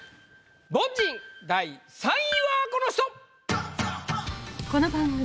凡人第３位はこの人！